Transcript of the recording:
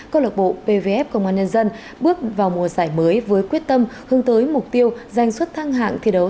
cô lực bộ pvf công an nên dân bước vào mùa giải mới với quyết tâm hướng tới mục tiêu giành xuất thăng hạng thi đấu